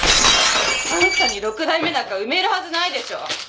あんたに６代目なんか産めるはずないでしょ？